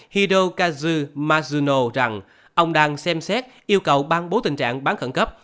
hydro kazu mazuno rằng ông đang xem xét yêu cầu ban bố tình trạng bán khẩn cấp